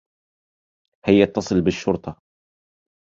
هيّا اتّصل بالشّرطة.